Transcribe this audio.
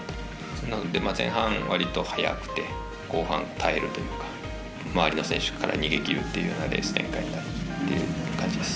なので前半、割と速くて後半、耐えるというか周りの選手から逃げ切るというようなレース展開になるっていう感じです。